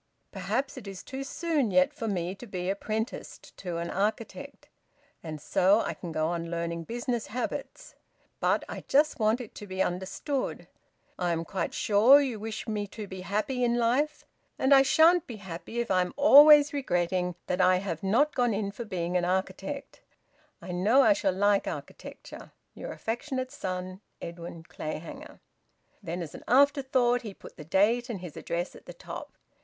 Perhaps it is too soon yet for me to be apprenticed to an architect, and so I can go on learning business habits. But I just want it to be understood. I am quite sure you wish me to be happy in life, and I shan't be happy if I am always regretting that I have not gone in for being an architect. I know I shall like architecture. Your affectionate son, Edwin Clayhanger." Then, as an afterthought, he put the date and his address at the top.